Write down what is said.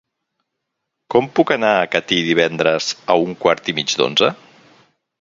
Com puc anar a Catí divendres a un quart i mig d'onze?